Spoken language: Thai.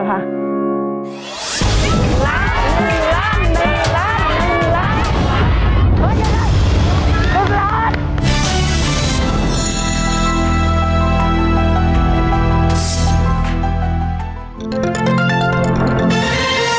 หลักหลักหลักหลัก